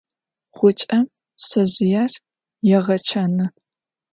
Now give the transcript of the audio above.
Ğuç'em şsezjıêr yêğeçanı.